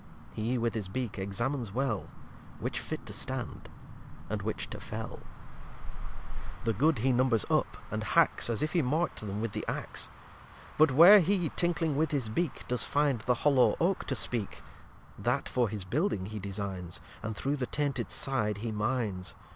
He, with his Beak, examines well Which fit to stand and which to fell. lxix The good he numbers up, and hacks; As if he mark'd them with the Ax. But where he, tinkling with his Beak, Does find the hollow Oak to speak, That for his building he designs, And through the tainted Side he mines.